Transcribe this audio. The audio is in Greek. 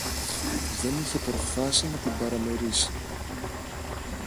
που δεν είχε προφθάσει να την παραμερίσει.